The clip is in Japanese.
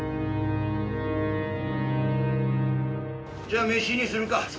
じゃあ飯にするか。